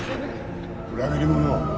裏切り者